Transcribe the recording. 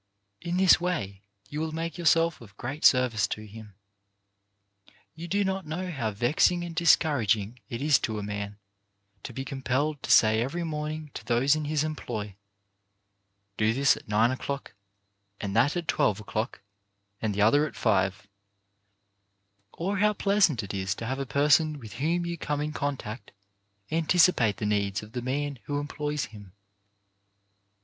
In this way you will make yourself of great service to him. You do not know how vexing and dis 216 CHARACTER BUILDING couraging it is to a man to be compelled to say every morning to those in his employ: "Do this at nine o'clock, and that at twelve o'clock, and the other at five;" or how pleasant it is to have a person with whom you come in contact anticipate the needs of the man who employs him.